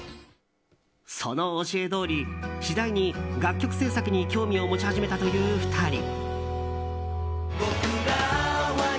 その教えどおり次第に、楽曲制作に興味を持ち始めたという２人。